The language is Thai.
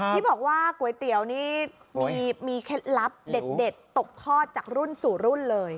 ที่บอกว่าก๋วยเตี๋ยวนี่มีเคล็ดลับเด็ดตกทอดจากรุ่นสู่รุ่นเลย